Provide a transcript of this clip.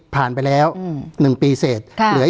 การแสดงความคิดเห็น